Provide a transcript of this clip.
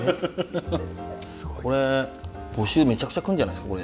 これ募集めちゃくちゃ来るんじゃないですか？